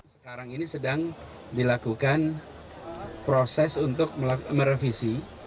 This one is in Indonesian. sekarang ini sedang dilakukan proses untuk merevisi